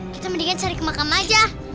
kita mendingan cari kemakam aja